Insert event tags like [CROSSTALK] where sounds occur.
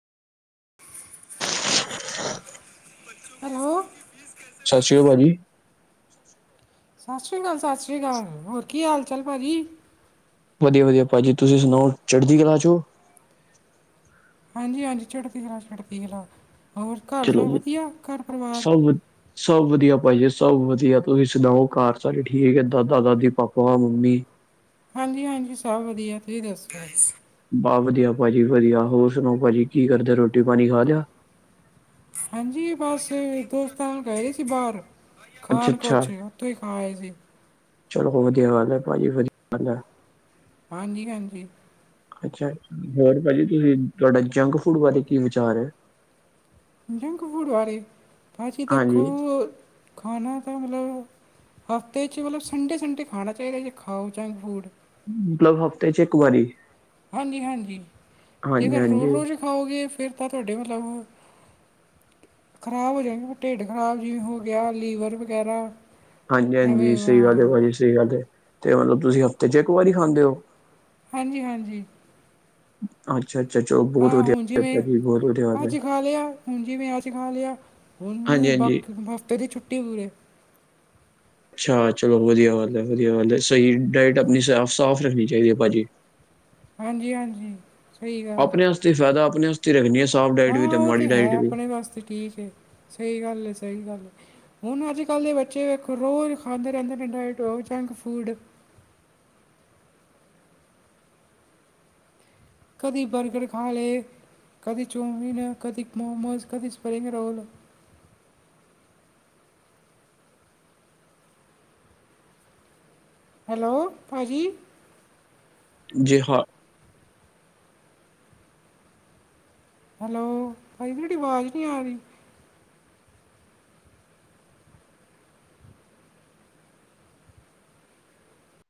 [INAUDIBLE] [INAUDIBLE] Hello ਸਤਿ ਸ਼੍ਰੀ ਆਕਾਲ ਭਾਜੀ। ਸਤਿ ਸ਼੍ਰੀ ਅਕਾਲ-ਸਤਿ ਸ਼੍ਰੀ ਅਕਾਲ ਹੋਰ ਕੀ ਹਾਲ-ਚਾਲ ਭਾਜੀ? ਵਧੀਆ-ਵਧੀਆ ਭਾਜੀ ਤੁਸੀਂ ਸੁਣਾਓ, ਚੜ੍ਹਦੀ ਕਲਾ ਚ' ਓ। ਹਾਂਜੀ-ਹਾਂਜੀ ਚੜ੍ਹਦੀ ਕਲਾ-ਚੜ੍ਹਦੀ ਕਲਾ ਹੋਰ ਘਰ ਚਲੋ ਸਭ ਵ- ਵਧੀਆ ਘਰ-ਪਰਿਵਾਰ। ਸਭ ਵ- ਸਭ ਵਧੀਆ ਭਾਈ ਜੀ ਸਭ ਵਧੀਆ ਤੁਸੀਂ ਸੁਣਾਓ ਘਰ ਸਾਰੇ ਠੀਕ ਐ ਦਾਦਾ-ਦਾਦੀ ਪਾਪਾ-ਮੰਮੀ। ਹਾਂਜੀ-ਹਾਂਜੀ ਸਭ ਵਧੀਆ ਤੁਸੀਂ ਦਸੋ। ਬਸ ਵਧੀਆ ਭਾਜੀ ਵਧੀਆ ਹੋਰ ਸੁਣਾਓ ਭਾਜੀ ਕੀ ਕਰਦੇ ਰੋਟੀ-ਪਾਣੀ ਖਾਲਿਆ। ਹਾਂਜੀ ਬਸ ਦੋਸਤਾਂ ਨਾਲ ਗਏ ਸੀ ਬਾਹਰ। ਅੱਛਾ ਖਾਣ ਅੱਛਾ ਕੁੱਛ ਉੱਥੋਂ ਈ ਖਾ ਆਏ ਸੀ। ਚਲੋ ਵਧੀਆ ਗੱਲ ਐ ਭਾਜੀ ਵਧੀਆ ਗੱਲ ਐ। ਹਾਂਜੀ-ਹਾਂਜੀ। ਅੱਛਾ ਹੋਰ ਭਾਜੀ ਤੁਸੀਂ ਤੁਹਾਡਾ ਜੰਕ ਫੂਡ ਬਾਰੇ ਕੀ ਵਿਚਾਰ ਐ? ਜੰਕ ਫੂਡ ਬਾਰੇ ਭਾਜੀ ਦੇਖੋ ਹਾਂਜੀ ਖਾਣਾ ਤਾਂ ਮਤਲਬ, ਹਫਤੇ 'ਚ ਮਤਲਬ ਸੰਡੇ-ਸੰਡੇ ਖਾਣਾ ਚਾਹੀਦਾ ਜੇ ਖਾਓ ਜੰਕ ਫੂਡ। ਮਤਲਬ ਹਫ਼ਤੇ ਚ' ਇੱਕ ਵਾਰੀ। ਹਾਂਜੀ-ਹਾਂਜੀ ਹਾਂਜੀ ਜੇਕਰ ਹਾਂਜੀ ਰੋਜ਼-ਰੋਜ਼ ਖਾਓਗੇ ਫਿਰ ਤਾਂ ਤੁਹਾਡੇ ਮਤਲਬ ਖ਼ਰਾਬ ਹੋ ਜਾਏਗੇ ਢਿੱਡ ਖ਼ਰਾਬ ਜਿਵੇਂ ਹੋ ਗਿਆ ਲੀਵਰ ਵਗੈਰਾ। ਐਵੇਂ ਹਾਂਜੀ-ਹਾਂਜੀ ਸਹੀ ਗੱਲ ਹੈ ਹਾਂ ਭਾਜੀ ਸਹੀ ਗੱਲ ਹੈ ਤੇ ਮਤਲਬ ਤੁਸੀਂ ਹਫ਼ਤੇ ਚ ਇੱਕ ਵਾਰੀ ਖਾਂਦੇ ਓ? ਹਾਂਜੀ-ਹਾਂਜੀ। ਅੱਛਾ-ਅੱਛਾ ਚਲ ਹਾਂ ਹੁਣ ਜਿਵੇਂ ਅੱਜ ਖਾ ਲਿਆ ਹੁਣ ਜਿਵੇਂ ਅੱਜ ਖਾ ਲਿਆ ਹੁਣ ਹਾਂਜੀ-ਹਾਂਜੀ, ਵਕਤ ਹਫ਼ਤੇ ਦੀ ਛੁੱਟੀ ਪੂਰੇ। ਅੱਛਾ ਚਲੋ ਵਧੀਆ ਗੱਲ ਐ ਵਧੀਆ ਗੱਲ ਐ ਸਹੀ ਡਾਇਟ ਆਪਣੀ ਸਾਫ਼-ਸਾਫ਼ ਰੱਖਣੀ ਚਾਹੀਦੀ ਐ ਭਾਜੀ। ਹਾਂਜੀ-ਹਾਂਜੀ। ਸਹੀ ਗੱਲ ਆਪਣੇ ਵਾਸਤੇ ਫਾਇਦਾ ਆਪਣੇ ਵਾਸਤੇ ਰੱਖਣੀ ਹੈ ਸਾਫ਼ ਆ ਡਾਇਟ ਵੀ ਹਾਂ ਉਹ ਮਾੜੀ ਤੇ ਡਾਇਟ ਹੈ ਵੀ, ਆਪਣੇ ਵਾਸਤੇ ਠੀਕ ਏ। ਸਹੀ ਗੱਲ ਹੈ-ਸਹੀ ਗੱਲ ਹੈ। ਹੁਣ ਅੱਜ-ਕੱਲ ਦੇ ਬੱਚੇ ਵੇਖੋ ਰੋਜ਼ ਖਾਂਦੇ ਰਹਿੰਦੇ ਨੇ ਡਾਇਟ ਓ ਜੰਕ ਫੂਡ। ਕਦੀ ਬਰਗਰ ਖਾ ਲੇ ਕਦੀ ਚਊਮੀਨ ਕਦੀ ਮੋਮੋਸ ਕਦੀ ਸਪਰਿੰਗ ਰੋਲ। ਹੈਲੋ ਭਾਜੀ। ਜੀ ਹਾਂ ਹੈਲੋ ਭਾਜੀ ਤੁਹਾਡੀ ਆਵਾਜ਼ ਨੀ ਆ ਰਹੀ।